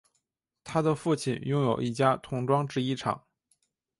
他的父亲拥有一家童装制衣厂。